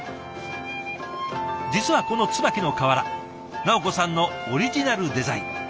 実はこのつばきの瓦直子さんのオリジナルデザイン。